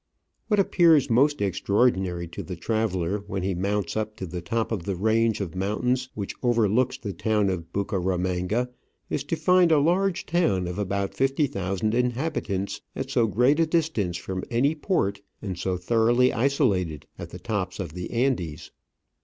What appears most extraordinary to the traveller when he mounts up to the top of the range of mountains which overlooks the town of Bucaramanga is to find a large town of about fifty thousand inhabitants at so great a distance from any port and so thoroughly isolated in the tops of the Andes.